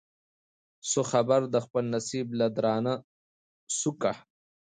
سو خبر د خپل نصیب له درانه سوکه